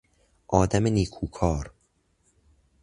آدم نیکوکار